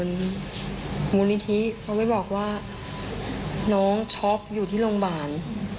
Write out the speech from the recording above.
มูลนิธิเขาไปบอกว่าน้องช็อกอยู่ที่โรงพยาบาล